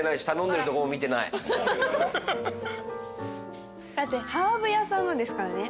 だって「ハーブ屋さんの」ですからね。